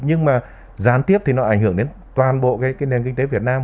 nhưng mà gián tiếp thì nó ảnh hưởng đến toàn bộ cái nền kinh tế việt nam